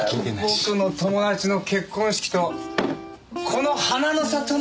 僕の友達の結婚式とこの花の里の開店